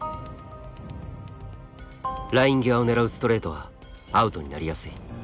ライン際を狙うストレートはアウトになりやすい。